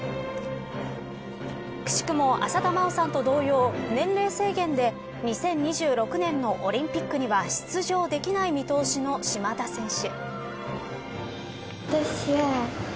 くしくも浅田真央さんと同様年齢制限で２０２６年のオリンピックには出場できない見通しの島田選手。